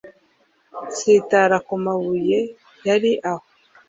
nsitara ku mabuye yari aho.